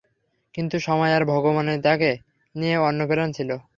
কিন্তু সময় আর ভগবানের তাকে নিয়ে অন্য প্ল্যান ছিল।